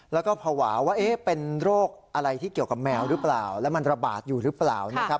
แล้วก็ภาวะว่าเป็นโรคอะไรที่เกี่ยวกับแมวหรือเปล่าแล้วมันระบาดอยู่หรือเปล่านะครับ